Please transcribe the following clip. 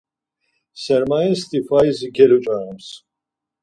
Sermayesti faizi keluç̌arams